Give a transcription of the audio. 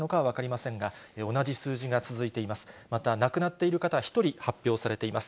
また亡くなっている方、１人発表されています。